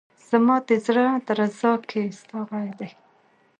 زما ده زړه درزا کي ستا غږ دی